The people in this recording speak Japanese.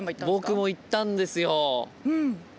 僕も行ったんですよ。